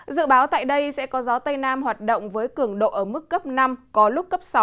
dự báo tại đây sẽ có gió tây nam hoạt động với cường độ ở mức cấp năm có lúc cấp sáu